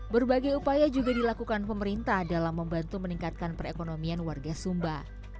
berbagai upaya juga dilakukan pemerintah dalam membantu meningkatkan perekonomian warga sumba